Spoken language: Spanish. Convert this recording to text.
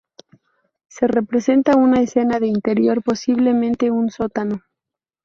Se representa una escena de interior, posiblemente un sótano.